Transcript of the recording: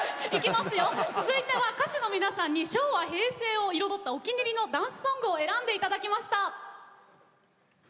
続いては歌手の皆さんに昭和平成を彩ったお気に入りのダンスソングを選んでいただきました。